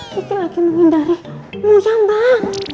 kiki lagi memindahin muya mbak